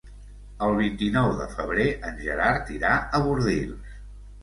El vint-i-nou de febrer en Gerard irà a Bordils.